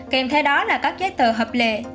kèm theo đó là các giấy tờ hợp lệ